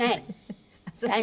はい。